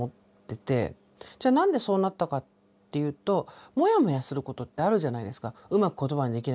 じゃあ何でそうなったかっていうとモヤモヤすることってあるじゃないですか。